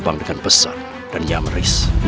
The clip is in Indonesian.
jangan salahkan aku